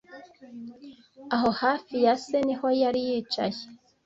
aho hafi ya se niho yari yicaye